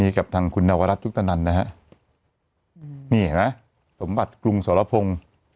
กับทางคุณนวรัฐยุคตนันนะฮะนี่เห็นไหมสมบัติกรุงสรพงศ์